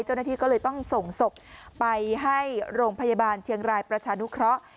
เจ้าหน้าที่ก็เลยต้องส่งศพไปให้โรงพยาบาลเชียงรายประชานุเคราะห์